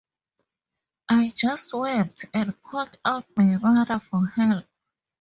I just wept, and called out to my mother for help.